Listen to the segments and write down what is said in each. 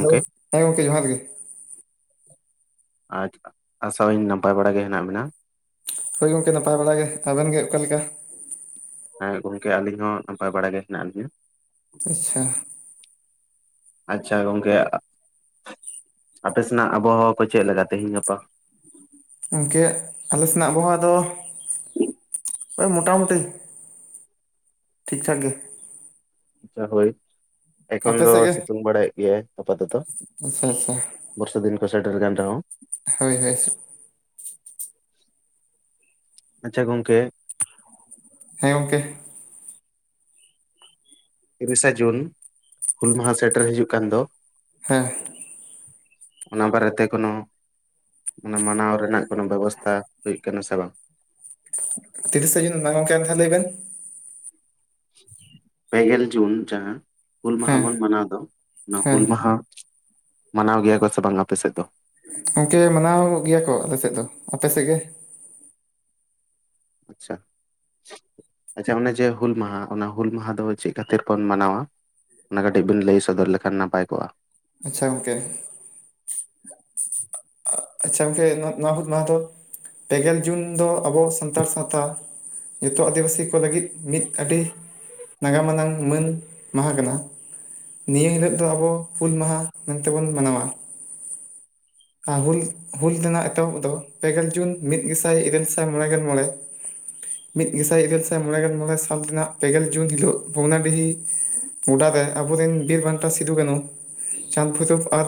Hello ᱦᱮᱸ ᱜᱚᱝᱠᱮ ᱡᱚᱦᱟᱨ ᱜᱮ ᱟᱪᱷᱟ ᱟᱥᱟᱣ ᱟᱹᱧ ᱱᱟᱯᱟᱭ ᱵᱟᱲᱟ ᱜᱮ ᱦᱮᱱᱟᱜ ᱵᱮᱱᱟ ᱦᱳᱭ ᱜᱚᱝᱠᱮ ᱱᱟᱯᱟᱭ ᱵᱟᱲᱟ ᱜᱮ ᱟᱵᱮᱱ ᱜᱮ ᱚᱠᱟᱞᱮᱠᱟ ᱦᱮᱸ ᱜᱚᱝᱠᱮ ᱟᱹᱞᱤᱧ ᱦᱚᱸ ᱱᱟᱯᱟᱭ ᱵᱟᱲᱟ ᱜᱮ ᱦᱮᱱᱟᱜ ᱞᱤᱧᱟ ᱟᱪᱪᱷᱟ ᱟᱪᱪᱷᱟ ᱜᱚᱝᱠᱮ ᱟᱯᱮ ᱥᱮᱱᱟᱜ ᱟᱵᱚᱦᱟᱣᱟ ᱠᱚ ᱪᱮᱫ ᱞᱮᱠᱟ ᱛᱮᱦᱮᱧ ᱜᱟᱯᱟ ᱜᱚᱝᱠᱮ ᱟᱞᱮ ᱥᱮᱱᱟᱜ ᱟᱵᱚᱦᱟᱭᱟ ᱫᱚ ᱳᱭ ᱢᱳᱚᱴᱟ ᱢᱩᱴᱤ ᱴᱷᱤᱠ ᱴᱷᱟᱠ ᱜᱮ ᱟᱪᱪᱷᱟ ᱦᱳᱭ ᱮᱠᱷᱚᱱ ᱟᱯᱮ ᱫᱚ ᱥᱮᱫ ᱜᱮ ᱥᱤᱛᱩᱝ ᱵᱟᱲᱟᱭᱮᱫ ᱜᱮᱭᱟᱭ ᱟᱯᱟ ᱛᱚᱛᱚ [unintelligible] ᱵᱚᱨᱥᱟ ᱫᱤᱱ ᱠᱚ ᱥᱮᱴᱮᱨ ᱠᱟᱱ ᱨᱮᱦᱚᱸ ᱦᱳᱭ ᱦᱳᱭ ᱟᱪᱪᱷᱟ ᱜᱚᱝᱠᱮ ᱦᱮᱸ ᱜᱚᱝᱠᱮ ᱛᱤᱨᱤᱥᱟ ᱡᱩᱱ ᱦᱩᱞ ᱢᱟᱦᱟ ᱥᱮᱴᱮᱨ ᱦᱤᱡᱩᱜ ᱠᱟᱱ ᱫᱚ ᱦᱮᱸ ᱚᱱᱟ ᱵᱟᱨᱮᱛᱮ ᱠᱳᱱᱳ ᱚᱱᱟ ᱢᱟᱱᱟᱣ ᱨᱮᱱᱟᱜ ᱠᱚᱱᱚ ᱵᱮᱵᱚᱥᱛᱷᱟ ᱦᱩᱭᱩᱜ ᱠᱟᱱᱟ ᱥᱮ ᱵᱟᱝ ᱛᱤᱨᱤᱥᱮ ᱡᱩᱱ ᱢᱟ ᱜᱚᱝᱠᱮ ᱟᱨ ᱢᱤᱫᱽᱫᱷᱟ ᱞᱟᱹᱤ ᱵᱮᱱ ᱯᱮ ᱜᱮᱞ ᱡᱩᱱ ᱡᱟᱦᱟᱸ ᱦᱩᱞ ᱢᱟᱦᱟᱸ ᱦᱮᱸ ᱵᱚᱱ ᱢᱟᱱᱟᱣ ᱫᱚ ᱚᱱᱟ ᱦᱮᱸ ᱦᱩᱞ ᱢᱟᱦᱟᱸ ᱢᱟᱱᱟᱣ ᱜᱮᱭᱟ ᱠᱚ ᱥᱮ ᱵᱟᱝ ᱟᱯᱮ ᱥᱮᱫ ᱫᱚ ᱜᱚᱝᱠᱮ ᱢᱟᱱᱟᱣ ᱜᱮᱭᱟ ᱠᱚ ᱟᱞᱮ ᱥᱮᱫ ᱫᱚ ᱟᱯᱮ ᱥᱮᱜ ᱜᱮ ᱟᱪᱪᱷᱟ ᱟᱪᱪᱷᱟ ᱚᱱᱮ ᱡᱮ ᱦᱩᱞ ᱢᱟᱦᱟᱸ ᱚᱱᱟ ᱦᱩᱞ ᱢᱟᱦᱟᱸ ᱫᱚ ᱪᱮᱫ ᱠᱷᱟᱹᱛᱤᱨ ᱵᱚᱱ ᱢᱟᱱᱟᱣᱟ ᱚᱱᱟ ᱠᱟᱹᱴᱤᱡ ᱵᱤᱱ ᱞᱟᱹᱭ ᱥᱚᱫᱚᱨ ᱞᱮᱠᱷᱟᱱ ᱱᱟᱯᱟᱭ ᱠᱚᱜᱼᱟ ᱟᱪᱪᱷᱟ ᱜᱚᱝᱠᱮ ᱟ ᱟᱪᱪᱷᱟ ᱜᱚᱝᱠᱮ ᱱᱚᱣᱟ ᱱᱚᱣᱟ ᱦᱩᱞ ᱢᱟᱦᱟᱸ ᱫᱚ ᱯᱮ ᱜᱮᱞ ᱡᱩᱱ ᱫᱚ ᱟᱵᱚ ᱥᱟᱱᱛᱟᱲ ᱥᱟᱶᱛᱟ ᱱᱤᱛᱚᱜ ᱟᱹᱫᱤᱵᱟᱹᱥᱤ ᱠᱚ ᱞᱟᱹᱜᱤᱫ ᱢᱤᱫ ᱠᱟᱴᱤᱜ ᱱᱟᱜᱟᱢ ᱟᱱᱟᱝ ᱢᱟᱹᱱ ᱢᱟᱦᱟ ᱠᱟᱱᱟ ᱱᱤᱭᱟᱹ ᱦᱤᱞᱳᱜ ᱫᱚ ᱟᱵᱚ ᱦᱩᱞ ᱢᱟᱦᱟᱸ ᱢᱮᱱᱛᱮᱵᱚᱱ ᱢᱟᱱᱟᱣᱟ ᱟᱨ ᱦᱩᱞ ᱦᱩᱞ ᱨᱮᱱᱟᱜ ᱮᱛᱚᱦᱚᱵ ᱫᱚ ᱯᱮ ᱜᱮᱞ ᱡᱩᱱ ᱢᱤᱫ ᱜᱮᱥᱟᱭ ᱤᱨᱟᱹᱞ ᱥᱟᱭ ᱢᱚᱬᱮ ᱜᱮᱞ ᱢᱚᱬᱮ ᱢᱤᱫ ᱜᱮᱥᱟᱭ ᱤᱨᱟᱹᱞ ᱥᱟᱭ ᱢᱚᱬᱮ ᱜᱮᱞ ᱢᱚᱬᱮ ᱥᱟᱞ ᱨᱮᱱᱟᱜ ᱯᱮᱜᱮᱞ ᱡᱩᱱ ᱦᱤᱞᱳᱜ ᱵᱷᱚᱜᱱᱟᱰᱤᱦᱤ ᱜᱚᱰᱟ ᱨᱮ ᱟᱵᱚᱨᱮᱱ ᱵᱤᱨᱵᱟᱱᱴᱟ ᱥᱤᱫᱩ ᱠᱟᱹᱱᱩ ᱪᱟᱸᱫᱽ ᱵᱷᱳᱣᱨᱚᱵ ᱟᱨ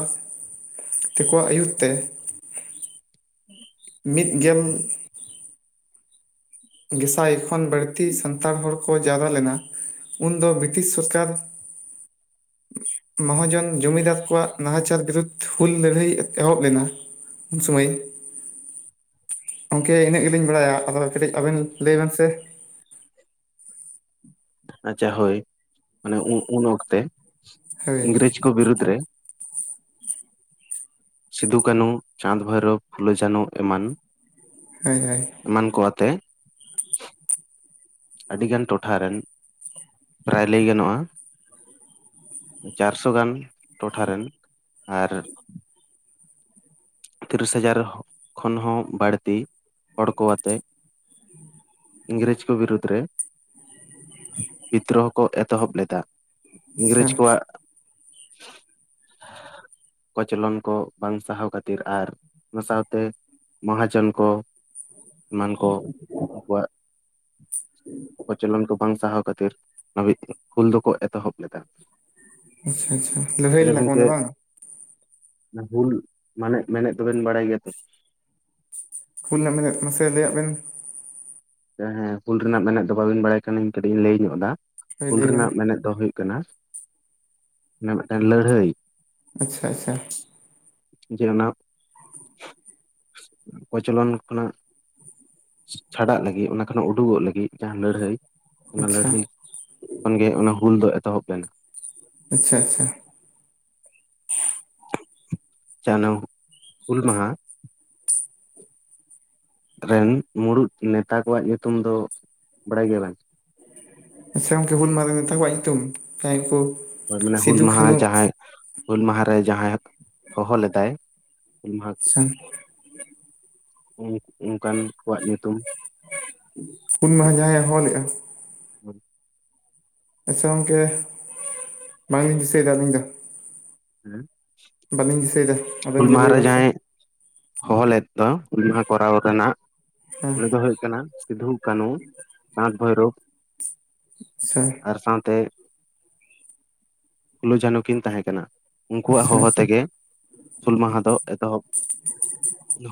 ᱛᱮᱤᱠᱣᱟᱜ ᱟᱹᱭᱩᱨᱛ ᱛᱮ ᱢᱤᱫ ᱜᱮᱞ ᱜᱮᱥᱟᱭ ᱠᱷᱚᱱ ᱵᱟᱹᱲᱛᱤ ᱥᱟᱱᱛᱟᱲ ᱦᱚᱲ ᱠᱚ ᱡᱟᱨᱣᱨᱟ ᱞᱮᱱᱟ ᱩᱱ ᱫᱚ ᱵᱨᱤᱴᱤᱥ ᱥᱚᱨᱠᱟᱨ [inaudible] ᱢᱚᱦᱟᱚᱡᱚᱱ ᱡᱚᱢᱤᱫᱟᱨ ᱠᱚᱣᱟᱜ ᱱᱟᱦᱟᱪᱟᱨ ᱵᱤᱨᱩᱫᱽ ᱦᱩᱞ ᱞᱟᱹᱲᱦᱟᱹᱭ ᱮᱛ ᱮᱦᱚᱵ ᱞᱮᱱᱟ ᱩᱱ ᱥᱚᱢᱟᱹᱭ ᱜᱚᱝᱠᱮ ᱤᱱᱟᱹᱜ ᱜᱮᱞᱤᱧ ᱵᱟᱲᱟᱭᱟ ᱟᱫᱚ ᱠᱟᱹᱴᱤᱡ ᱟᱵᱮᱱ ᱞᱟᱹᱭ ᱵᱮᱱ ᱥᱮ ᱟᱪᱪᱷᱟ ᱦᱳᱭ ᱢᱟᱱᱮ ᱩ ᱩᱱ ᱚᱠᱛᱮ ᱦᱳᱭ ᱤᱝᱨᱮᱡᱽ ᱠᱚ ᱵᱤᱨᱩᱫᱽ ᱨᱮ ᱥᱤᱫᱩ ᱠᱟᱹᱱᱩ ᱪᱟᱸᱫᱽ ᱵᱷᱳᱣᱨᱚᱵ ᱯᱷᱩᱞᱳ ᱡᱷᱟᱱᱚ ᱮᱢᱟᱱ ᱦᱚᱭ ᱦᱚᱭ ᱮᱢᱟᱱ ᱠᱚ ᱟᱛᱮ ᱟᱹᱰᱤ ᱜᱟᱱ ᱴᱚᱴᱷᱟ ᱨᱮᱱ ᱯᱨᱟᱭ ᱞᱟᱹᱭ ᱜᱟᱱᱚᱜᱼᱟ ᱪᱟᱨᱥᱚ ᱜᱟᱱ ᱴᱚᱴᱷᱟ ᱨᱮᱱ ᱟᱨ ᱛᱤᱨᱤᱥ ᱦᱟᱡᱟᱨ ᱠᱷᱚᱱ ᱦᱚᱸ ᱵᱟᱹᱲᱛᱤ ᱦᱚᱲᱠᱚ ᱟᱛᱮ ᱤᱝᱨᱮᱡ ᱠᱚ ᱵᱤᱨᱫᱽ ᱨᱮ ᱵᱤᱫᱽᱫᱨᱳᱦᱚ ᱠᱚ ᱮᱛᱚᱦᱚᱵ ᱞᱮᱫᱟ ᱟᱪᱪᱷᱟ ᱤᱝᱨᱮᱡᱽ ᱠᱚᱣᱟᱜ ᱠᱚᱪᱞᱚᱱ ᱠᱚ ᱵᱟᱝ ᱥᱟᱦᱟᱣ ᱠᱟᱛ ᱛᱤᱨ ᱟᱨ ᱚᱱᱟ ᱥᱟᱶᱛᱮ ᱢᱚᱦᱟᱡᱚᱱ ᱠᱚ ᱮᱢᱟᱱ ᱠᱚ ᱩᱱᱠᱩᱣᱟᱜ ᱠᱚᱪᱚᱞᱚᱱ ᱠᱚ ᱵᱟᱝ ᱥᱟᱦᱟᱣ ᱠᱷᱟᱹᱛᱤᱨ ᱦᱟᱵᱤᱜ ᱦᱩᱞ ᱫᱚᱠᱚ ᱮᱛᱚᱦᱚᱵ ᱞᱮᱫᱟ ᱟᱪᱪᱷᱟ ᱟᱪᱪᱷᱟ ᱞᱟᱹᱲᱦᱟᱭ ᱞᱮᱱᱟᱠᱚ ᱟᱸᱰᱮ ᱵᱟᱝ ᱚᱱᱟ ᱦᱩᱞ ᱢᱟᱱᱮᱜ ᱢᱮᱱᱮᱫ ᱫᱚᱵᱮᱱ ᱵᱟᱲᱟᱭ ᱜᱮᱭᱟ ᱛᱚ ᱦᱩᱞ ᱨᱮᱭᱟᱜ ᱢᱮᱱᱮᱫ ᱢᱟᱥᱮ ᱞᱟᱹᱭᱟᱜ ᱵᱮᱱ ᱦᱮᱸ ᱦᱩᱞ ᱨᱮᱱᱟᱜ ᱢᱮᱱᱮᱫ ᱫᱚ ᱵᱟᱹᱵᱤᱱ ᱵᱟᱲᱟᱭ ᱠᱟᱱᱟᱧ ᱠᱟᱹᱴᱤᱡ ᱤᱧ ᱞᱟᱹᱭ ᱧᱚᱜ ᱮᱫᱟ ᱦᱳᱭ ᱦᱩᱞ ᱞᱟᱹᱭ ᱵᱮᱱ ᱨᱮᱱᱟᱜ ᱢᱮᱱᱮᱫ ᱫᱚ ᱦᱩᱭᱩᱜ ᱠᱟᱱᱟ ᱢᱤᱫᱴᱮᱱ ᱞᱟᱹᱲᱦᱟᱹᱭ ᱟᱪᱪᱷᱟ ᱟᱪᱪᱷᱟ ᱡᱮ ᱚᱱᱟ ᱠᱚᱪᱚᱞᱚᱱ ᱠᱷᱚᱱᱟᱜ ᱪᱷᱟᱰᱟᱜ ᱞᱟᱹᱜᱤᱫ ᱚᱱᱟ ᱠᱷᱚᱱᱟᱜ ᱩᱰᱩᱜᱚᱜ ᱞᱟᱹᱜᱤᱫ ᱡᱟᱦᱟᱸ ᱞᱟᱹᱲᱦᱟᱹᱭ ᱚᱱᱟ ᱟᱪᱪᱷᱟ ᱞᱟᱹᱲᱦᱟᱹᱭ ᱠᱷᱚᱱᱜᱮ ᱚᱱᱟ ᱦᱩᱞ ᱫᱚ ᱮᱛᱚᱦᱚᱵ ᱞᱮᱱᱟ ᱟᱪᱪᱷᱟ ᱟᱪᱪᱷᱟ ᱪᱟᱱᱳ ᱦᱩᱞ ᱢᱟᱦᱟᱸ ᱨᱮᱱ ᱢᱩᱬᱩᱫ ᱱᱮᱛᱟ ᱠᱚᱣᱟᱜ ᱧᱩᱛᱩᱢ ᱫᱚ ᱵᱟᱲᱟᱭ ᱜᱮᱭᱟᱵᱮᱱ ᱥᱮ ᱜᱚᱝᱠᱮ ᱦᱩᱞ ᱢᱟᱦᱟᱸ ᱨᱮ ᱱᱮᱛᱟᱠᱚᱟᱭ ᱧᱩᱛᱩᱢ ᱡᱟᱸᱦᱟᱭ ᱠᱩ ᱦᱚᱭ ᱢᱟᱱᱮ ᱦᱩᱞ ᱢᱟᱦᱟ ᱡᱟᱦᱟᱸᱭ ᱦᱩᱞ ᱢᱟᱦᱟ ᱨᱮ ᱡᱟᱦᱟᱸᱭ ᱦᱚᱦᱚ ᱞᱮᱫᱟᱭ ᱦᱩᱞ ᱢᱟᱦᱟ ᱦᱮᱸ ᱚᱱᱠᱟᱱ ᱠᱚᱣᱟᱜ ᱧᱩᱛᱩᱢ ᱦᱩᱞ ᱢᱟᱦᱟ ᱡᱟᱦᱟᱸᱭ-ᱮ ᱦᱚᱦᱚᱞᱮᱜᱼᱟ ᱟᱪᱪᱷᱟ ᱜᱚᱢᱠᱮ ᱵᱟᱝᱞᱤᱧ ᱫᱤᱥᱟᱹᱭᱮᱫᱟ ᱟᱹᱞᱤᱧ ᱫᱚ ᱦᱩᱸ ᱵᱟᱹᱞᱤᱧ ᱫᱤᱥᱟᱹᱭᱫᱟ ᱦᱩᱞ ᱢᱟᱦᱟ ᱨᱮ ᱡᱟᱦᱟᱸᱭ ᱦᱚᱦᱚ ᱞᱮᱫ ᱫᱚ ᱦᱩᱞ ᱢᱟᱦᱟ ᱠᱚᱨᱟᱣ ᱨᱮᱱᱟᱜ ᱦᱮᱸ ᱩᱱᱤ ᱫᱚ ᱦᱩᱭᱩᱜ ᱠᱟᱱᱟ ᱥᱤᱫᱷᱩ ᱠᱟᱹᱱᱦᱩ ᱪᱟᱸᱫᱽ ᱵᱷᱟᱭᱨᱚᱵ ᱟᱥᱟ ᱟᱨ ᱥᱟᱶᱛᱮ ᱯᱷᱩᱞᱳ ᱡᱷᱟᱱᱚ ᱠᱤᱱ ᱛᱟᱸᱦᱮ ᱠᱟᱱᱟ ᱩᱱᱠᱩᱣᱟᱜ ᱟᱪᱪᱷᱟ ᱦᱚᱦᱚ ᱟᱪᱪᱷᱟ ᱛᱮᱜᱮ ᱦᱩᱞ ᱢᱟᱦᱟ ᱫᱚ ᱮᱛᱚᱦᱚᱵ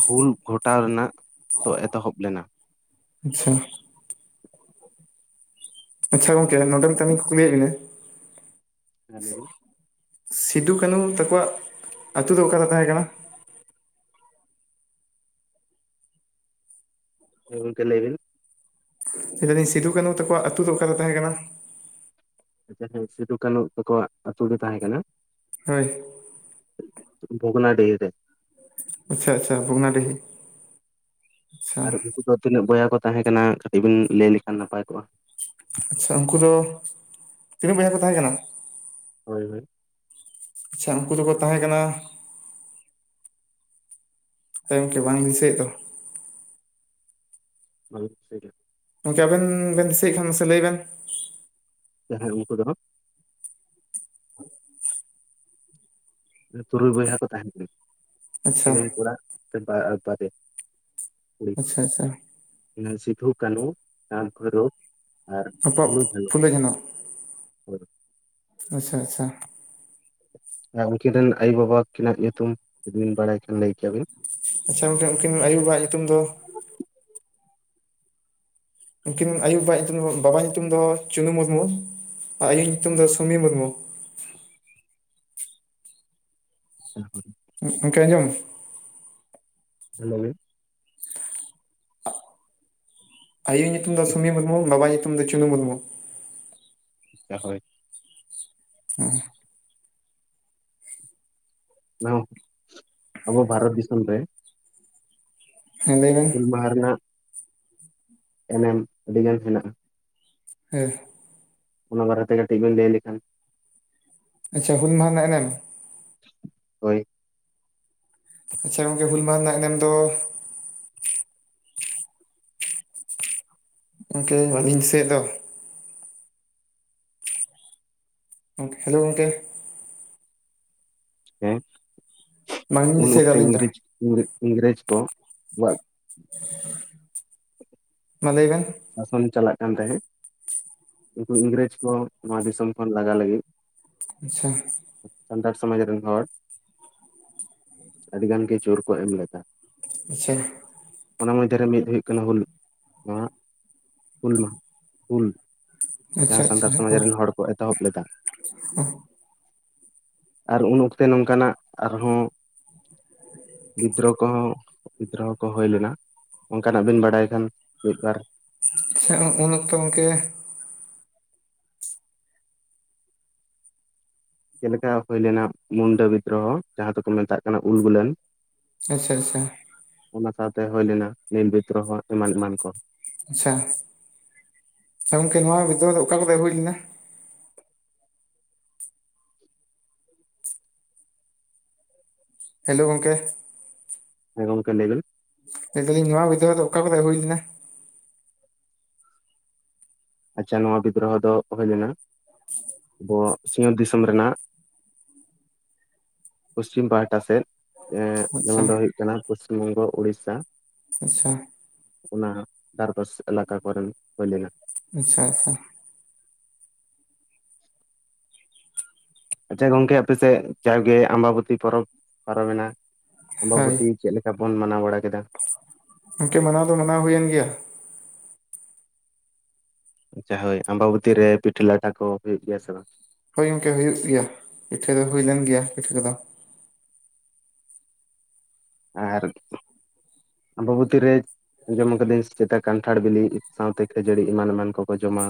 ᱦᱩᱞ ᱜᱷᱚᱴᱟᱣ ᱨᱮᱱᱟᱜ ᱫᱚ ᱮᱛᱚᱦᱚᱵ ᱞᱮᱱᱟ ᱟᱪᱪᱷᱟ ᱟᱪᱪᱷᱟ ᱜᱚᱢᱠᱮ ᱱᱚᱰᱮ ᱢᱮᱫᱴᱟᱝ ᱞᱤᱧ ᱠᱩᱩᱞᱤᱭᱮᱫ ᱵᱤᱱᱟ ᱦᱮᱸ ᱞᱟᱹᱭ ᱵᱤᱱ, ᱥᱤᱫᱷᱩ ᱠᱟᱹᱱᱦᱩ ᱛᱟᱠᱚᱣᱟᱜ ᱟᱛᱩ ᱫᱚ ᱚᱠᱟᱨᱮ ᱛᱟᱦᱮᱸ ᱠᱟᱱᱟ? ᱦᱮᱸ ᱜᱚᱢᱠᱮ ᱞᱟᱹᱭᱵᱤᱱ ᱞᱮ ᱫᱟᱞᱤᱧ ᱥᱤᱫᱷᱩ ᱠᱟᱹᱱᱦᱩ ᱛᱟᱠᱚᱣᱟᱜ ᱟᱛᱩ ᱫᱚ ᱚᱠᱟ ᱨᱮ ᱛᱟᱸᱦᱮᱸ ᱠᱟᱱᱟ? ᱥᱤᱫᱷᱩ ᱠᱟᱹᱱᱦᱩ ᱛᱟᱠᱚᱣᱟᱜ ᱟᱛᱩ ᱫᱚ ᱛᱟᱸᱦᱮᱸ ᱠᱟᱱᱟ ᱦᱳᱭ ᱵᱷᱚᱜᱱᱟᱰᱤᱦᱤ ᱨᱮ ᱟᱪᱪᱷᱟ ᱟᱪᱪᱷᱟ ᱵᱷᱚᱜᱱᱟᱰᱤᱦᱤ ᱨᱮ ᱟᱨ ᱩᱱᱠᱩ ᱠᱚ ᱫᱚ ᱛᱤᱱᱟᱹᱜ ᱵᱚᱭᱦᱟ ᱠᱚ ᱛᱟᱦᱮᱸ ᱠᱟᱱᱟ? ᱠᱟᱹᱴᱤᱡ ᱵᱤᱱ ᱞᱟᱹᱭ ᱞᱮᱠᱷᱟᱱ ᱱᱟᱯᱟᱭ ᱠᱚᱜᱼᱟ ᱟᱪᱪᱷᱟ ᱩᱝᱠᱩ ᱫᱚ ᱛᱤᱱᱟᱹᱜ ᱵᱚᱭᱦᱟ ᱠᱚ ᱛᱟᱦᱮᱸ ᱠᱟᱱᱟ ᱦᱳᱭ ᱦᱳᱭ ᱟᱪᱪᱷᱟ ᱩᱱᱠᱩ ᱫᱚᱠᱚ ᱛᱟᱦᱮᱸ ᱠᱟᱱᱟ ᱜᱚᱢᱠᱮ ᱵᱟᱝ ᱫᱤᱥᱟᱹᱭᱮᱫ ᱫᱚ ᱵᱟᱵᱤᱱ ᱫᱤᱥᱟᱭᱫᱟ? ᱜᱚᱢᱠᱮ ᱟᱵᱮᱱ ᱵᱮᱱ ᱫᱤᱥᱟᱹᱭᱮᱫ ᱠᱷᱟᱱ ᱢᱟᱥᱮ ᱞᱟᱹᱭ ᱵᱮᱱ ᱦᱮᱸ ᱩᱱᱠᱩ ᱫᱚ ᱦᱟᱸᱜ ᱛᱩᱨᱩᱭ ᱵᱚᱭᱦᱟ ᱠᱚ ᱛᱟᱦᱮ ᱠᱟᱱᱟ ᱟᱪᱪᱷᱟ ᱯᱩᱱᱤᱭᱟ ᱠᱚᱲᱟ ᱵᱟᱨᱮᱭᱟ ᱠᱩᱲᱤ ᱟᱪᱪᱷᱟ ᱟᱪᱪᱷᱟ ᱥᱤᱫᱷᱩ ᱠᱟᱹᱱᱦᱩ ᱪᱟᱸᱫᱽ ᱵᱷᱚᱭᱨᱚ ᱯᱷᱩᱞᱚ ᱡᱷᱟᱱᱚ ᱦᱳᱭ᱾ ᱟᱪᱪᱷᱟ ᱟᱪᱪᱷᱟ ᱟᱨ ᱩᱝᱠᱤᱱ ᱨᱮᱱ ᱟᱭᱳᱼᱵᱟᱵᱟ ᱠᱤᱱᱟᱜ ᱧᱩᱛᱩᱢ ᱡᱩᱫᱤ ᱵᱤᱱ ᱵᱟᱲᱟᱭ ᱠᱷᱟᱱ ᱞᱟᱹᱭ ᱠᱮᱭᱟᱵᱤᱱ ᱟᱪᱪᱷᱟ ᱜᱚᱢᱠᱮ ᱩᱱᱠᱤᱱ ᱟᱭᱳᱼᱵᱟᱵᱟ ᱣᱟᱜ ᱧᱩᱛᱩᱢ ᱫᱚ ᱩᱱᱠᱤᱱ ᱟᱭᱳᱼᱵᱟᱵᱟ ᱣᱟᱜ ᱧᱩᱛᱩᱢ ᱫᱚ, ᱵᱟᱵᱟ ᱟᱜ ᱧᱩᱛᱩᱢ ᱫᱚ ᱪᱩᱱᱩ ᱢᱩᱨᱢᱩ ᱟᱨ ᱟᱭᱳ ᱧᱩᱛᱩᱢ ᱫᱚ ᱥᱩᱢᱤ ᱢᱩᱨᱢᱩ ᱦᱮᱞᱳᱣ ᱾ ᱜᱚᱢᱠᱮ ᱟᱡᱚᱢ? ᱞᱮᱵᱤᱱ ᱟᱭᱳ ᱧᱩᱛᱩᱢ ᱫᱚ ᱥᱩᱢᱤ ᱢᱩᱨᱢᱩ, ᱵᱟᱵᱟ ᱧᱩᱛᱩᱢ ᱫᱚ ᱪᱩᱱᱩ ᱢᱩᱨᱢᱩ ᱟᱪᱪᱷᱟ ᱦᱳᱭ ᱦᱳᱭ ᱵᱟᱝ ᱟᱵᱚ ᱵᱷᱟᱨᱚᱛ ᱫᱤᱥᱚᱢ ᱨᱮ ᱦᱮᱸ ᱞᱮᱭᱵᱮᱱ ᱵᱟᱦᱟ ᱨᱮᱱᱟᱜ ᱮᱱᱮᱢ ᱟᱹᱰᱤ ᱜᱟᱱ ᱦᱮᱱᱟᱜᱼᱟ ᱦᱮᱸ ᱚᱱᱟ ᱵᱟᱨᱮᱛᱮ ᱠᱟᱹᱴᱤᱡ ᱵᱤᱱ ᱞᱟᱹᱭ ᱞᱮᱠᱷᱟᱱ ᱟᱪᱪᱷᱟ ᱦᱩᱱ ᱟᱡᱟᱜ ᱨᱮᱱᱟᱜ ᱮᱱᱮᱢ? ᱦᱳᱭ ᱟᱪᱪᱷᱟ ᱜᱚᱝᱠᱮ ᱦᱩᱞ ᱢᱟᱦᱟ ᱨᱮᱱᱟᱜ ᱮᱱᱮᱢ ᱫᱚ ᱜᱚᱢᱠᱮ ᱵᱟᱹᱞᱤᱧ ᱫᱤᱥᱟᱹᱭᱮᱜ ᱫᱚ ᱦᱮᱞᱳ ᱜᱚᱝᱠᱮ ᱦᱮᱸ ᱵᱟᱝᱞᱤᱧ ᱩᱱ ᱫᱤᱥᱟᱹᱭᱮᱫᱟ ᱚᱠᱛᱮ ᱟᱹᱞᱤᱧ ᱫᱚ ᱤᱝᱨᱮ ᱤᱝᱨᱮᱡ ᱠᱚ [inaudible] ᱢᱟ ᱞᱟᱹᱭ ᱵᱮᱱ ᱥᱟᱥᱚᱱ ᱪᱟᱞᱟᱜ ᱠᱟᱱ ᱛᱟᱦᱮᱸᱫ ᱩᱱᱠᱩ ᱤᱝᱨᱮᱡ ᱠᱚ ᱱᱚᱣᱟ ᱫᱤᱥᱚᱢ ᱠᱷᱚᱱ ᱞᱟᱜᱟ ᱞᱟᱹᱜᱤᱫ ᱟᱪᱪᱷᱟ ᱥᱟᱱᱛᱟᱲ ᱥᱚᱢᱟᱡ ᱨᱮᱱ ᱦᱚᱲ ᱟᱹᱰᱤᱜᱟᱱ ᱜᱮ ᱡᱳᱨ ᱠᱚ ᱮᱢ ᱞᱮᱫᱟ ᱥᱮᱪᱪᱷᱟ ᱚᱱᱟ ᱢᱚᱫᱷᱮᱨᱮ ᱢᱤᱫ ᱦᱩᱭᱩᱜ ᱠᱟᱱᱟ ᱦᱩᱞ ᱢᱟᱦᱟ ᱦᱩᱞ ᱢᱟᱦᱟ ᱦᱩᱞ ᱟᱪᱪᱷᱟ ᱡᱟᱦᱟᱸ ᱥᱟᱱᱛᱟᱲ ᱥᱚᱢᱟᱡᱽ ᱟᱪᱪᱷᱟ ᱨᱮᱱ ᱦᱚᱲ ᱠᱚ ᱮᱛᱚᱦᱚᱵ ᱞᱮᱫᱟ ᱟᱨ ᱩᱱ ᱚᱠᱛᱮ ᱱᱚᱝᱠᱟᱱᱟᱜ ᱟᱨᱦᱚᱸ ᱵᱤᱫᱨᱳᱦᱚ ᱠᱚᱦᱚᱸ ᱵᱤᱫᱨᱳᱦᱚ ᱠᱚ ᱦᱩᱭ ᱞᱮᱱᱟ ᱚᱱᱠᱟᱱᱟᱜ ᱵᱮᱱ ᱵᱟᱲᱟᱭ ᱠᱷᱟᱱ ᱢᱤᱫ ᱵᱟᱨ ᱟᱪᱪᱷᱟ ᱩᱱ ᱚᱠᱛᱚ ᱜᱚᱢᱠᱮ ᱪᱮᱫ ᱞᱮᱠᱟ ᱦᱩᱭ ᱞᱮᱱᱟ ᱢᱩᱱᱰᱟᱹ ᱵᱤᱫᱨᱳᱦᱚ ᱡᱟᱦᱟᱸ ᱫᱚᱠᱚ ᱢᱮᱛᱟᱜ ᱠᱟᱱᱟ ᱩᱞᱜᱩᱞᱱ ᱟᱪᱪᱷᱟ ᱟᱪᱪᱷᱟ ᱚᱱᱟ ᱥᱟᱶᱛᱮ ᱦᱩᱭ ᱞᱮᱱᱟ ᱱᱤᱞ ᱵᱤᱛᱨᱚᱦᱚ ᱮᱢᱟᱱ ᱮᱢᱟᱱ ᱠᱚ ᱟᱪᱪᱷᱟ ᱜᱚᱝᱠᱮ ᱱᱚᱣᱟ ᱵᱷᱤᱛᱚᱨ ᱫᱚ ᱚᱠᱟ ᱠᱚ ᱦᱩᱭ ᱞᱮᱱᱟ ᱦᱮᱞᱳ ᱜᱚᱢᱠᱮ ᱦᱮᱸ ᱜᱚᱢᱠᱮ ᱞᱟᱹᱭ ᱵᱤᱲ ᱱᱤᱛᱚᱞᱤᱧ ᱱᱚᱣᱟ ᱵᱤᱵᱨᱳᱦᱚ ᱫᱚ ᱚᱠᱟ ᱠᱚᱵᱮᱱ ᱦᱩᱭ ᱞᱮᱱᱟ ᱟᱪᱪᱷᱟ ᱱᱚᱣᱟ ᱵᱤᱫᱽᱨᱳᱦᱚ ᱫᱚ ᱦᱩᱭ ᱞᱮᱱᱟ ᱟᱵᱚᱣᱟᱜ ᱥᱤᱜᱟᱲ ᱫᱤᱥᱚᱢ ᱨᱮᱱᱟᱜ ᱯᱚᱥᱪᱷᱤᱢ ᱯᱟᱦᱴᱟ ᱥᱮᱫ ᱮᱜ ᱟᱪᱪᱷᱟ ᱡᱮᱢᱚᱱ ᱫᱚ ᱦᱩᱭᱩᱜ ᱠᱟᱱᱟ ᱯᱚᱥᱪᱤᱢ ᱵᱚᱝᱜᱚ ᱩᱲᱤᱥᱟ ᱟᱪᱪᱷᱟ ᱚᱱᱟ ᱫᱷᱟᱨᱯᱟᱥ ᱮᱞᱟᱠᱟ ᱠᱚᱨᱮᱱ ᱦᱩᱭ ᱞᱮᱱᱟ ᱟᱪᱪᱷᱟ ᱟᱪᱪᱷᱟ ᱟᱪᱪᱷᱟ ᱜᱚᱝᱠᱮ ᱟᱯᱮᱥᱮᱫ ᱡᱟᱣᱜᱮ ᱟᱢᱵᱟᱵᱛᱤ ᱯᱚᱨᱚᱵ ᱯᱟᱨᱚᱢᱮᱱᱟ ᱟᱢᱵᱟᱵᱛᱤ ᱪᱮᱫ ᱞᱮᱠᱟ ᱵᱚᱱ ᱢᱟᱱᱟᱣ ᱵᱟᱲᱟ ᱠᱮᱫᱟ ᱤᱱᱠᱮ ᱢᱟᱱᱟᱣ ᱫᱚ ᱢᱟᱱᱟᱣ ᱦᱩᱭᱮᱱ ᱜᱮᱭᱟ ᱟᱪᱪ ᱦᱳᱭ ᱟᱢᱵᱟᱵᱚᱛᱤ ᱨᱮ ᱯᱤᱴᱞᱟ ᱞᱟᱴᱟ ᱠᱚ ᱦᱩᱭ ᱜᱮᱭᱟ ᱥᱮ ᱵᱟᱝ ᱦᱳᱭ ᱜᱚᱢᱠᱮ ᱦᱩᱭᱩᱜ ᱜᱮᱭᱟ ᱯᱤᱴᱷᱟᱹ ᱫᱚ ᱦᱩᱭ ᱞᱮᱱ ᱜᱮᱭᱟ ᱯᱤᱴᱷᱟᱹ ᱠᱚᱫᱚ ᱟᱨ ᱟᱢᱵᱚ ᱵᱷᱚᱛᱤᱨ ᱨᱮ ᱟᱸᱡᱚᱢ ᱠᱟᱹᱫᱟᱹᱧ ᱥᱮᱫᱟᱜ ᱠᱟᱱᱴᱷᱟᱲ ᱵᱤᱞᱤ ᱥᱟᱶᱛᱮ ᱠᱷᱟᱹᱡᱟᱹᱲᱤ ᱮᱢᱟᱱ ᱮᱢᱟᱱ ᱠᱚᱠᱚ ᱡᱚᱢᱟ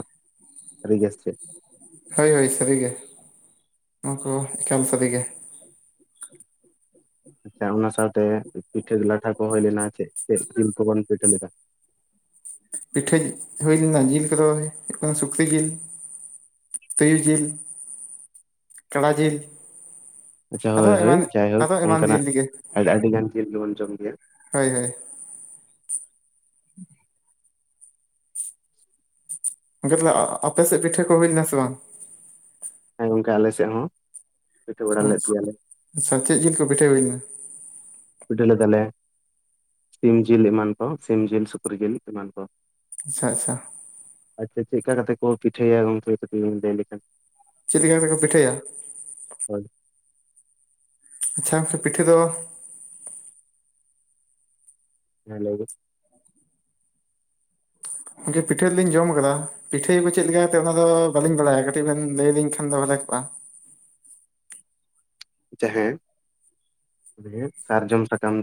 ᱥᱟᱹᱨᱜ-ᱟ ᱥᱮ ᱦᱳᱭ ᱦᱳᱭ ᱥᱟᱹᱨᱤᱜᱮ ᱚᱱᱟ ᱠᱚ ᱮᱠᱟᱞ ᱥᱟᱹᱨᱤᱜᱮ ᱟᱪᱪᱷᱟ ᱚᱱᱟ ᱥᱟᱶᱛᱮ ᱯᱤᱴᱷᱟᱹ ᱞᱟᱴᱷᱟ ᱠᱚ ᱦᱩᱭ ᱞᱮᱱᱟ ᱪᱮᱫ ᱪᱮᱫ ᱡᱤᱞ ᱠᱚᱵᱚᱱ ᱯᱤᱴᱷᱟᱹ ᱞᱮᱫᱟ ᱯᱤᱴᱷᱟᱹ ᱦᱩᱭ ᱞᱮᱱᱟ ᱡᱤᱞ ᱠᱚᱫᱚ ᱦᱩᱭᱩᱜ ᱠᱟᱱᱟ ᱥᱩᱠᱨᱤ ᱡᱤᱞ ᱛᱤᱭᱩ ᱡᱤᱞ ᱠᱟᱲᱟ ᱡᱤᱞ ᱟᱪᱪᱷᱟ ᱟᱨᱚ ᱦᱳᱭ ᱦᱳᱭ ᱮᱢᱟᱱ ᱡᱟᱭᱦᱳᱠ ᱟᱨᱚ ᱮᱢᱟᱱ ᱚᱱᱠᱟᱱᱟᱜ ᱡᱤᱞ ᱜᱮ ᱟᱹᱰᱤ ᱜᱟᱱ ᱡᱤᱱ ᱜᱮᱵᱚᱱ ᱡᱚᱢ ᱜᱮᱭᱟ ᱦᱳᱭ ᱦᱳᱭ ᱛᱟᱦᱞᱮ ᱟᱯᱮᱮᱥᱮᱫ ᱯᱤᱴᱷᱟᱹ ᱠᱚ ᱦᱩᱭᱞᱱᱟ ᱥᱮ ᱵᱟᱝ ᱦᱮᱸ ᱜᱚᱝᱠᱮ ᱟᱞᱮ ᱥᱮᱫ ᱦᱚᱸ ᱯᱤᱴᱷᱟᱹ ᱵᱟᱲᱟ ᱞᱮᱫ ᱟᱪᱪᱷᱟ ᱜᱮᱭᱟᱞᱮ ᱟᱪᱪᱷᱟ ᱪᱮᱫ ᱡᱤᱞ ᱠᱚ ᱯᱤᱴᱷᱟᱹ ᱦᱩᱭᱱᱟ? ᱯᱤᱴᱷᱟᱹ ᱞᱮᱫᱟᱞᱮ ᱥᱤᱢ ᱡᱤᱞ ᱮᱢᱟᱱ ᱠᱚ ᱥᱤᱢ ᱡᱤᱞ ᱥᱩᱠᱨᱤ ᱡᱤᱞ ᱮᱢᱟᱱ ᱠᱚ᱾ ᱟᱪᱪᱷᱟ ᱟᱪᱪᱷᱟ᱾ ᱟᱪᱪᱷᱟ ᱪᱮᱫ ᱠᱟ ᱠᱟᱛᱮ ᱠᱚ ᱯᱤᱴᱷᱟᱹᱭᱟ ᱜᱚᱝᱠᱮ ᱢᱮᱱ [inaudible] ᱞᱟᱹᱭ ᱞᱮᱠᱷᱟᱱ ᱪᱮᱫ ᱞᱮᱠᱟᱛᱮ ᱠᱚ ᱯᱤᱴᱷᱟᱹᱭᱟ? [inaudible] ᱟᱪᱪᱷᱟ ᱜᱚᱢᱠᱮ ᱯᱤᱴᱷᱟᱹ ᱫᱚ ᱦᱮᱸ ᱞᱮᱭ ᱵᱤᱱ ᱜᱚᱝᱠᱮ ᱯᱤᱴᱷᱟᱹ ᱞᱤᱧ ᱡᱚᱢ ᱟᱠᱟᱫᱟ ᱯᱤᱴᱷᱟᱹᱭᱟ ᱠᱚ ᱪᱮᱫᱞᱮᱠᱟ ᱚᱱᱟ ᱫᱚ ᱵᱟᱹᱞᱤᱧ ᱵᱟᱲᱟᱭᱟ ᱠᱟᱹᱴᱤᱡ ᱵᱮᱱ ᱞᱟᱹᱭ ᱟᱹᱞᱤᱧ ᱠᱷᱟᱱ ᱫᱚ ᱵᱷᱟᱜᱮ ᱠᱚᱜᱼᱟ᱾ ᱡᱟᱦᱟᱸ ᱥᱟᱨᱡᱚᱢ ᱥᱟᱠᱟᱢ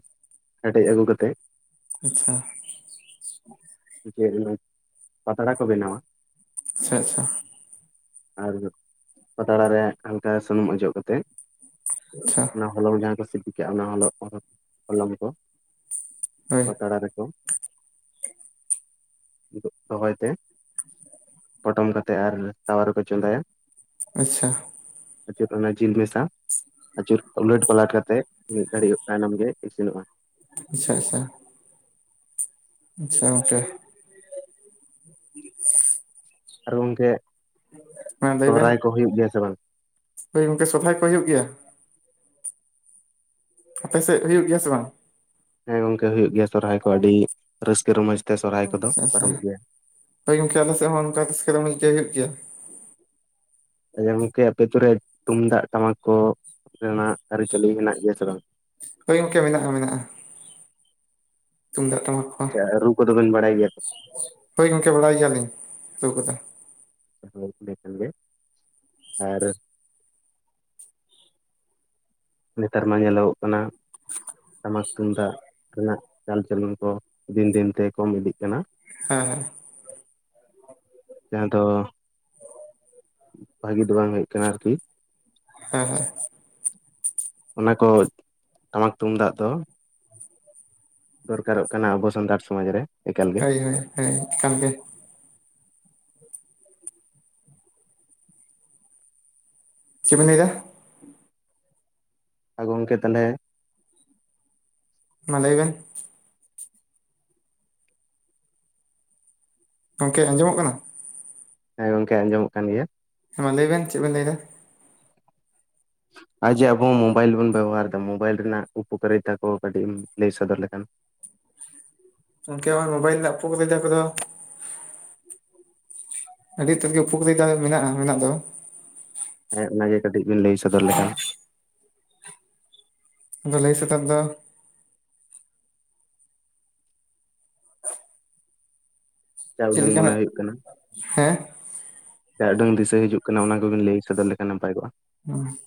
ᱦᱮᱰᱮᱡ ᱟᱹᱜᱩ ᱠᱟᱛᱮᱜ ᱟᱪᱪᱷᱟ ᱡᱮ [inaudible] ᱯᱟᱛᱲᱟ ᱠᱚ ᱵᱮᱱᱟᱣᱟ᱾ ᱟᱪᱪᱷᱟ ᱟᱪᱪᱷᱟ᱾ ᱟᱨ ᱯᱟᱛᱲᱟ ᱨᱮ ᱦᱟᱞᱠᱟ ᱥᱩᱱᱩᱢ ᱚᱡᱚᱜ ᱠᱟᱛᱮᱫ ᱟᱪᱪᱷᱟ ᱚᱱᱟ ᱦᱚᱞᱚᱝ ᱡᱟᱦᱟᱸ ᱠᱚ ᱥᱤᱯᱤ ᱠᱟᱜ ᱚᱱᱟ ᱦᱚ ᱦᱚᱞᱚᱝ ᱠᱚ ᱦᱳᱭ ᱯᱟᱛᱲᱟ ᱨᱮ ᱦ [inaudible] ᱫᱚᱦᱚᱭ ᱛᱮ ᱯᱚᱴᱚᱢ ᱠᱟᱛᱮ ᱟᱨ ᱛᱟᱣᱟᱨᱮ ᱠᱚ ᱪᱚᱫᱟᱭᱟ᱾ ᱟᱪᱪᱷᱟ ᱟᱹᱪᱩᱨ ᱚᱱᱟ ᱡᱤᱞ ᱢᱮᱥᱟ ᱟᱹᱪᱩᱨ ᱩᱞᱟᱹᱴ ᱯᱟᱞᱟᱴ ᱠᱟᱛᱮᱜ ᱢᱤᱫ ᱜᱷᱟᱲᱤ ᱚ ᱛᱟᱭᱱᱚᱢ ᱜᱮ ᱤᱥᱤᱱᱚᱜᱼᱟ᱾ ᱟᱪᱪᱷᱟ ᱟᱪᱪᱷᱟ᱾ ᱟᱪᱪᱷᱟ ᱜᱚᱝᱠᱮ ᱟᱨ ᱜᱚᱢᱠᱮ ᱢᱟ ᱞᱟᱹᱭ ᱵᱮᱱ ᱥᱚᱦᱨᱟᱭ ᱠᱚ ᱦᱩᱭᱩᱜ ᱜᱮᱭᱟ ᱥᱮ ᱵᱟᱝ? ᱦᱳᱭ ᱜᱚᱝᱠᱮ ᱥᱚᱦᱨᱟᱭ ᱠᱚ ᱦᱩᱭᱩᱜ ᱜᱮᱭᱟ᱾ ᱟᱯᱮ ᱥᱮᱫ ᱦᱩᱭᱩᱜ ᱜᱮᱭᱟ ᱥᱮ ᱵᱟᱝ? ᱦᱮᱸ ᱜᱚᱝᱠᱮ ᱦᱩᱭᱩᱜ ᱜᱮᱭᱟ ᱥᱚᱨᱦᱟᱭ ᱠᱚ ᱟᱹᱰᱤ ᱨᱟᱹᱥᱠᱟᱹ ᱨᱚᱢᱚᱡᱽ ᱛᱮ ᱥᱚᱨᱦᱟᱭ ᱠᱚᱫᱚ ᱟᱪᱪᱷᱟ ᱟᱪᱪᱷᱟ ᱯᱟᱨᱚᱢᱚᱜ ᱜᱮᱭᱟ ᱦᱳᱭ ᱜᱚᱢᱠᱮ ᱟᱞᱮ ᱥᱮᱫ ᱦᱚᱸ ᱚᱱᱠᱟᱛᱮᱥᱠᱟᱨ [inaudible] ᱜᱮ ᱦᱩᱭᱩᱜ ᱜᱮᱭᱟ᱾ ᱟᱪᱪᱷᱟ ᱜᱚᱝᱠᱮ ᱟᱯᱮ ᱟᱛᱩᱨᱮ ᱛᱩᱢᱫᱟᱜ ᱴᱟᱢᱟᱠ ᱠᱚ ᱨᱮᱱᱟᱜ ᱟᱹᱨᱤᱪᱟᱹᱞᱤ ᱦᱮᱱᱟᱜ ᱜᱮᱭᱟ ᱥᱮ ᱵᱟᱝ? ᱦᱳᱭ ᱜᱚᱝᱠᱮ ᱢᱮᱱᱟᱜᱼᱟ ᱢᱮᱱᱟᱜᱼᱟ᱾ ᱛᱩᱢᱫᱟᱜ ᱴᱟᱢᱟᱠ ᱠᱚ ᱟᱪᱪᱷᱟ ᱨᱩ ᱠᱚᱫᱚᱵᱮᱱ ᱵᱟᱲᱟᱭ ᱜᱮᱭᱟ ᱛᱚ? ᱦᱭ ᱜᱚᱢᱠᱮ ᱵᱟᱲᱟᱭ ᱜᱮᱭᱟᱞᱤᱧ ᱨᱩ ᱠᱚᱫᱚ᱾ [inaudible] ᱠᱷᱟᱱ ᱜᱮ ᱟᱨ ᱱᱮᱛᱟᱨ ᱢᱟ ᱧᱮᱞᱚᱜᱚᱜ ᱠᱟᱱᱟ ᱴᱟᱢᱟᱠ ᱛᱩᱢᱫᱟᱜ ᱨᱮᱱᱟᱜ ᱪᱟᱞᱪᱚᱞᱚᱱ ᱠᱚ ᱫᱤᱱ ᱫᱤᱱ ᱛᱮ ᱠᱚᱢ ᱤᱫᱤᱜ ᱠᱟᱱᱟ᱾ ᱦᱮᱸ ᱦᱮᱸ ᱡᱟᱦᱟᱸ ᱫᱚ ᱵᱷᱟᱜᱤ ᱫᱚ ᱵᱟᱝ ᱦᱩᱭᱩᱜ ᱠᱟᱱᱟ ᱟᱨᱠᱤ ᱦᱮᱸ ᱦᱮᱸ ᱚᱱᱟ ᱠᱚ ᱴᱟᱢᱟᱠ ᱛᱩᱢᱫᱟᱜ ᱫᱚ ᱫᱚᱨᱠᱟᱨᱚᱜ ᱠᱟᱱᱟ ᱟᱵᱚ ᱥᱟᱱᱛᱟᱲ ᱥᱚᱢᱟᱡᱽ ᱨᱮ᱾ ᱮᱠᱟᱞ ᱜᱮ ᱦᱳᱭ ᱦᱳᱭ ᱦᱳᱭ ᱮᱠᱟᱞ ᱜᱮ᱾ ᱪᱵᱤᱱᱜᱟ [inaudible] ᱟ ᱜᱚᱢᱠᱮ ᱛᱟᱦᱚᱞᱮ ᱢᱟ ᱞᱟᱹᱭ ᱵᱮᱱ ᱜᱚᱢᱠᱮ ᱟᱸᱡᱚᱢᱚᱜ ᱠᱟᱱᱟ᱾ ᱦᱮᱸ ᱜᱚᱝᱠᱮ ᱟᱸᱡᱚᱢᱚᱜ ᱠᱟᱱ ᱜᱮᱭᱟ᱾ ᱦᱮᱸ ᱢᱟ ᱞᱟᱹᱭ ᱵᱮᱱ ᱪᱮᱫ ᱵᱮᱱ ᱞᱟᱹᱭ ᱮᱫᱟ? ᱟᱨ ᱡᱮ ᱟᱵᱚ ᱢᱳᱵᱟᱭᱤᱞ ᱵᱚᱱ ᱵᱮᱵᱚᱦᱟᱨ ᱮᱫᱟ ᱢᱳᱵᱟᱭᱤᱞ ᱨᱮᱱᱟᱜ ᱩᱯᱚᱠᱟᱨᱤᱛᱟ ᱠᱚ ᱠᱟᱹᱴᱤᱡ ᱮᱢ ᱞᱟᱹᱭ ᱥᱚᱫᱚᱨ ᱞᱮᱠᱷᱟᱱ ᱜᱚᱝᱠᱮ [inaudible] ᱢᱳᱵᱟᱭᱤᱞ [unintelligible] ᱟᱹᱰᱤ ᱩᱛᱟᱹᱨ ᱜᱮ ᱩᱯᱚᱠᱨᱤᱛᱟ ᱫᱚ ᱢᱮᱱᱟᱜᱼᱟ ᱢᱮᱱᱟᱜ ᱫᱚ ᱦᱮᱸ ᱚᱱᱟᱜᱮ ᱠᱟᱹᱴᱤᱡ ᱵᱤᱱ ᱞᱟᱹᱭ ᱥᱚᱫᱚᱨ ᱞᱮᱠᱷᱟ ᱟᱫᱚ ᱞᱟᱹᱭ ᱥᱚᱛᱚᱨ ᱫᱚ ᱪᱟ ᱪᱮᱫ ᱩᱰᱟᱹᱝ ᱢᱚᱱᱮ ᱞᱮᱠᱟᱱᱟᱜ ᱦᱩᱭᱩᱜ ᱠᱟᱱᱟ ᱦᱮᱸ ᱡᱟ ᱩᱰᱟᱹᱝ ᱫᱤᱥᱟᱹ ᱦᱤᱡᱩᱜ ᱠᱟᱱᱟ ᱚᱱᱟ ᱠᱚᱵᱤᱱ ᱞᱟᱹᱭ ᱥᱚᱫᱚᱨ ᱞᱮᱠᱷᱟᱱ ᱱᱟᱯᱟᱭ ᱠᱚᱜᱼᱟ ᱦᱩᱸ